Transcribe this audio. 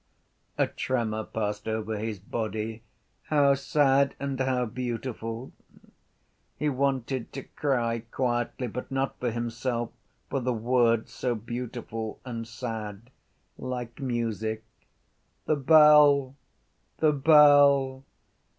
_ A tremor passed over his body. How sad and how beautiful! He wanted to cry quietly but not for himself: for the words, so beautiful and sad, like music. The bell! The bell!